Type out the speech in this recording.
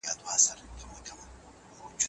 لوبې زده کړه اسانه کوي.